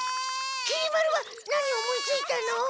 きり丸は何を思いついたの？